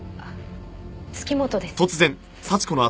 月本です。